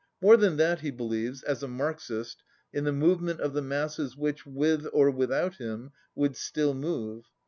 More than that, he believes, as a Marxist, in the movement of the masses which, with or without him, would still move.